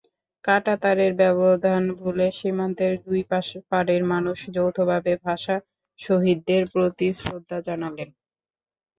কাঁটাতারের ব্যবধান ভুলে সীমান্তের দুই পারের মানুষ যৌথভাবে ভাষা শহীদদের প্রতি শ্রদ্ধা জানালেন।